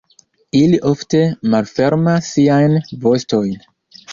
Ili ofte malfermas siajn vostojn.